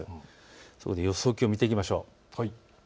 そこで予想気温見ていきましょう。